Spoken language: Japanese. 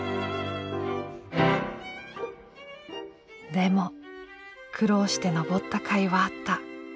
でも苦労して登ったかいはあった。